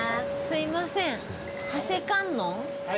すいません。